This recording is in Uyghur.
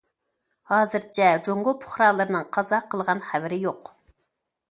ھازىرچە جۇڭگو پۇقرالىرىنىڭ قازا قىلغان خەۋىرى يوق.